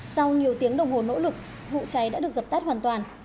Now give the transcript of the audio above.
sau nhiều tiếng đồng hồ nỗ lực vụ cháy đã được dập tắt hoàn toàn